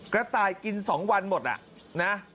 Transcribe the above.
กระต่ายกิน๒วันหมดอ่ะนะ